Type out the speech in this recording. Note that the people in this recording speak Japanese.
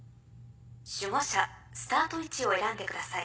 守護者スタート位置を選んでください。